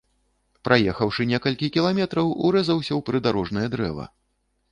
Праехаўшы некалькі кіламетраў, урэзаўся ў прыдарожнае дрэва.